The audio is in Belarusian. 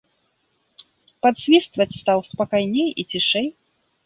Падсвістваць стаў спакайней і цішэй.